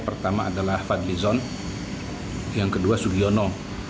pertama adalah fadlizon yang kedua sugiono